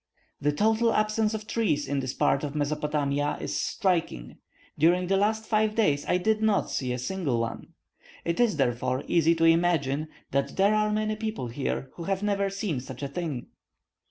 The total absence of trees in this part of Mesopotamia is striking: during the last five days I did not see a single one. It is, therefore, easy to imagine that there are many people here who have never seen such a thing.